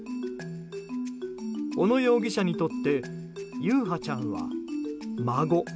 小野容疑者にとって優陽ちゃんは孫。